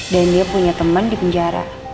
dan dia punya temen di penjara